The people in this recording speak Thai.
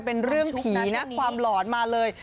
เป็นเรื่องผีนะความหลอนมาเลย